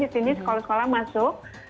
di sini sekolah sekolah masuk